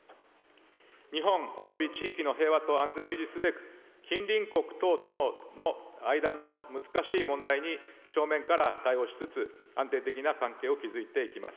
日本および地域の平和と安全を維持すべく、近隣国等との間の難しい問題に正面から対応しつつ、安定的な関係を築いていきます。